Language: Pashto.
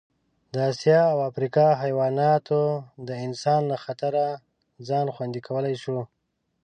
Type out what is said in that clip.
د اسیا او افریقا حیواناتو د انسان له خطره ځان خوندي کولی شو.